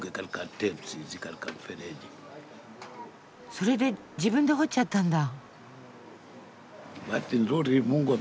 それで自分で掘っちゃったんだ。